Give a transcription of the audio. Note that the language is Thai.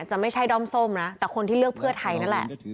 จะไม่ใช่ด้อมส้มนะแต่คนที่เลือกเพื่อไทยนั่นแหละ